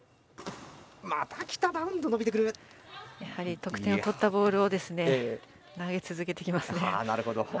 得点を取ったボールを投げ続けてきますね。